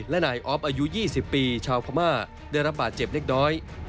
และนายออฟอายุ๒๐ปีชาวพม่าได้รับบาดเจ็บเล็กน้อย